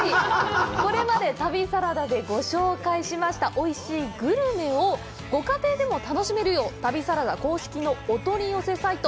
これまで、旅サラダでご紹介しましたおいしいグルメをご家庭でも楽しめる「旅サラダ」公式のお取り寄せサイト